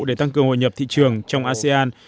để tăng cường hội nhập thị trường trong asean